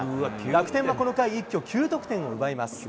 楽天はこの回、一挙９得点を奪います。